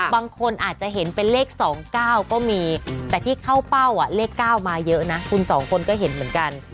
บางคนอาจจะเห็นเป็นเลข๒๙ก็มีแต่ที่เข้าเป้าเลข๙มาเยอะนะคุณสองคนก็เห็นเหมือนกัน